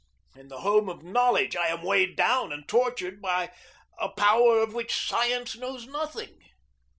In the home of knowledge I am weighed down and tortured by a power of which science knows nothing.